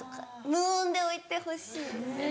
無音で置いてほしいです。